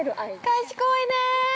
◆賢いね！